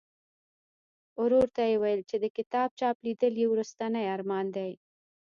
ورور ته یې ویل چې د کتاب چاپ لیدل یې وروستنی ارمان دی.